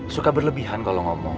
suka berlebihan kalau ngomong